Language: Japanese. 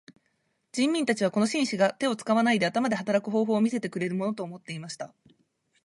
人民たちはこの紳士が手を使わないで頭で働く方法を見せてくれるものと思っていました。